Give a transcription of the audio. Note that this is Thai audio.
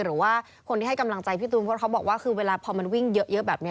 หรือว่าคนที่ให้กำลังใจพี่ตูนเพราะเขาบอกว่าคือเวลาพอมันวิ่งเยอะแบบนี้